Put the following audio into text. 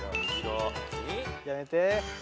・やめて。